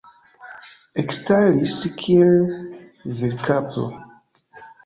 Ekstaris, kiel virkapro.